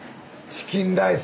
チキンライス。